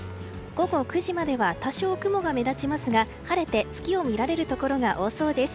午後９時までは多少、雲が目立ちますが晴れて、月を見られるところが多そうです。